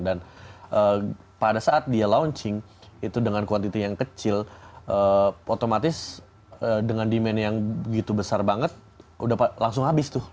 dan pada saat dia launching itu dengan kuantiti yang kecil otomatis dengan demand yang begitu besar banget udah langsung habis tuh